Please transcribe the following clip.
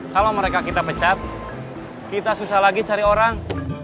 kalau mereka kita pecat kita susah lagi cari orang